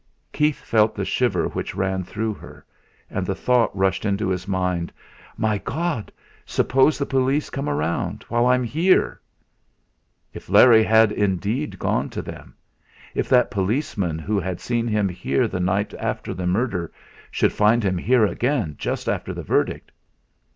Keith felt the shiver which ran through her. And the thought rushed into his mind: 'My God! Suppose the police come round while I'm here!' If Larry had indeed gone to them! If that Policeman who had seen him here the night after the murder should find him here again just after the verdict!